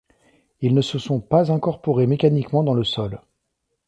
Ils ne sont pas incorporés mécaniquement dans le sol.